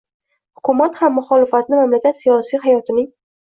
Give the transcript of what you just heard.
Hukumat ham muxolifatni mamlakat siyosiy hayotining